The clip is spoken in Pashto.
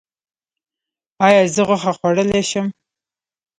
ایا زه غوښه خوړلی شم؟